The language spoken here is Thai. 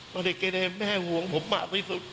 ตอนเด็กเกรเลแม่ห่วงผมมากที่สุด